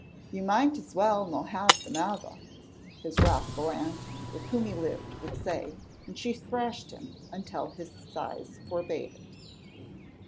"You might as well no have them ava," his wrathful aunt, with whom he lived, would say, and she thrashed him until his size forbade it.